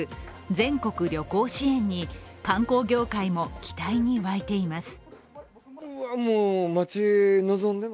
全国旅行支援に観光業界も期待に沸いています。